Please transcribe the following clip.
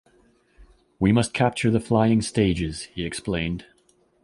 “We must capture the flying stages,” he explained.